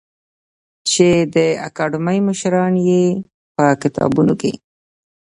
چې د اکاډمۍ مشران یې په کتابتون کې